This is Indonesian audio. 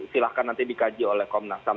silahkan nanti dikaji oleh komnas ham